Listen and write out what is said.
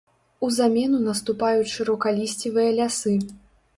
У замену наступаюць шырокалісцевыя лясы.